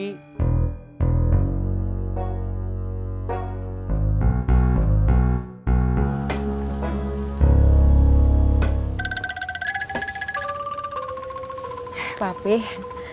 eh pak peh